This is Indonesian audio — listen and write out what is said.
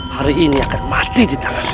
hari ini akan mati di tangan